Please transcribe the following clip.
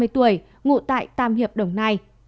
ba mươi tuổi ngụ tại tam hiệp đồng nai